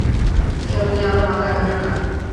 এসব নিয়ে আর মাথা ঘামিয়ো না!